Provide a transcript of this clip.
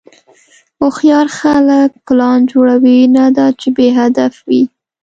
هوښیار خلک پلان جوړوي، نه دا چې بېهدفه وي.